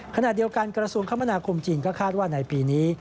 ขณะเดียวกันกระทรวงคมนาคมจีนก็คาดว่าในปีนี้